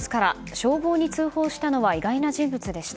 消防に通報したのは意外な人物でした。